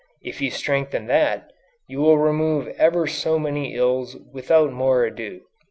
If you strengthen that, you remove ever so many ills without more ado.